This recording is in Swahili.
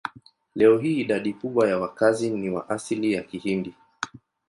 Leo hii idadi kubwa ya wakazi ni wa asili ya Kihindi.